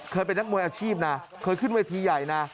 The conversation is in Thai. เป็นนักมวยอาชีพนะเคยขึ้นเวทีใหญ่นะ